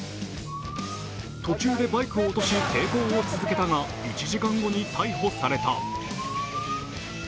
途中でバイクを落とし、抵抗を続けたが、１時間後に逮捕された。